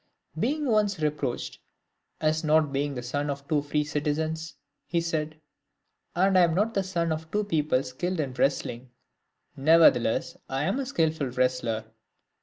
Being once reproached as not being the son of two free citizens, he said, " And I am not the son of two people skilled in wrestling ; nevertheless, I am a skilful wrestler."